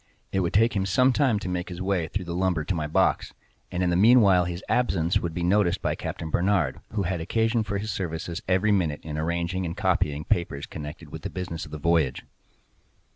It would take him some time to make his way through the lumber to my box, and in the meanwhile his absence would be noticed by Captain Barnard, who had occasion for his services every minute, in arranging and copying papers connected with the business of the voyage.